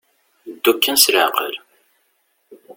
Ddu kan s leɛqel.